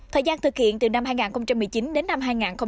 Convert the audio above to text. thời gian thực hiện từ năm hai nghìn một mươi chín đến năm hai nghìn hai mươi